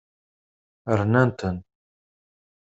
Rnan-ten.